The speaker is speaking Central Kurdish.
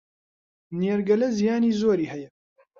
نێرگەلە زیانی زۆری هەیە